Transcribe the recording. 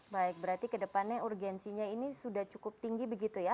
baik berarti kedepannya urgensinya ini sudah cukup tinggi begitu ya